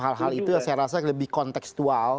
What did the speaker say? hal hal itu yang saya rasa lebih konteksual